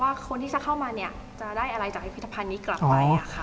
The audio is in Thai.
ว่าคนที่จะเข้ามาเนี่ยจะได้อะไรจากวิทธภัณฑ์นี้กลับไปอ่ะค่ะ